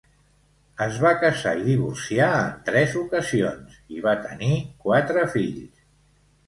Es va casar i divorciar en tres ocasions i va tenir quatre fills.